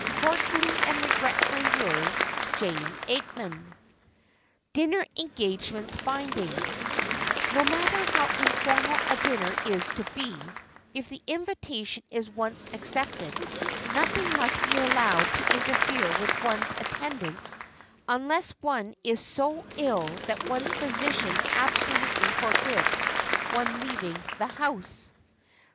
"Cordially and regretfully yours, "Jane Aikman." [Sidenote: DINNER ENGAGEMENTS BINDING] No matter how informal a dinner is to be, if the invitation is once accepted, nothing must be allowed to interfere with one's attendance unless one is so ill that one's physician absolutely forbids one leaving the house.